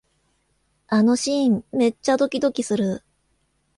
あのシーン、めっちゃドキドキする